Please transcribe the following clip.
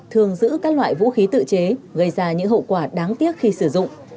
thường giữ các loại vũ khí tự chế gây ra những hậu quả đáng tiếc khi sử dụng